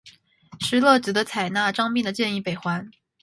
石勒只得采纳张宾的建议北还。